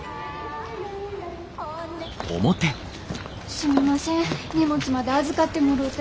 すみません荷物まで預かってもろうて。